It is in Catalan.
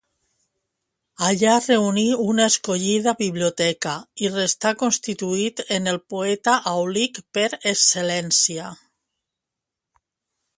Allà reuní una escollida biblioteca, i restà constituït en el poeta àulic per excel·lència.